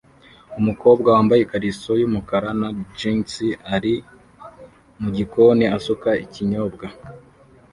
Umukobwa wambaye ikariso yumukara na jans ari mugikoni asuka ikinyobwa